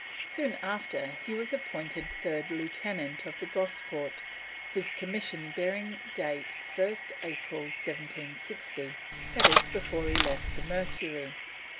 Soon after he was appointed third lieutenant of the Gosport, his commission bearing date 1st April 1760, that is before he left the Mercury.